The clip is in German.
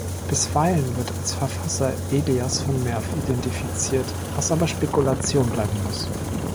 Bisweilen wird als Verfasser Elias von Merw identifiziert, was aber Spekulation bleiben muss.